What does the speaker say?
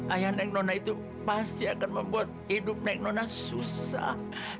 ayah neng nona itu pasti akan membuat hidup naik nona susah